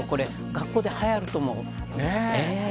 学校で、はやると思う。